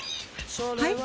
はい？